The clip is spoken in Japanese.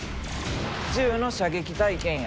銃の射撃体験や。